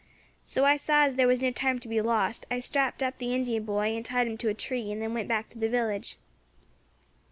So I saw as there was no time to be lost. I strapped up the Indian boy and tied him to a tree, and then went back to the village.